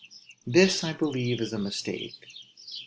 This I believe is a mistake.